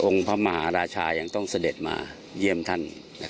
พระมหาราชายังต้องเสด็จมาเยี่ยมท่าน